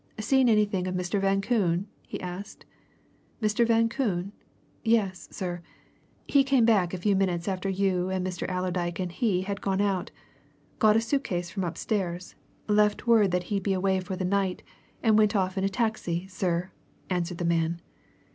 "Seen anything of Mr. Van Koon?" he asked. "Mr. Van Koon? yes, sir. He came back a few minutes after you and Mr. Allerdyke and he had gone out, got a suit case from upstairs, left word that he'd be away for the night, and went off in a taxi, sir," answered the man.